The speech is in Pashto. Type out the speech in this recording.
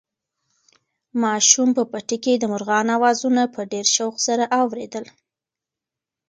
ماشوم په پټي کې د مرغانو اوازونه په ډېر شوق سره اورېدل.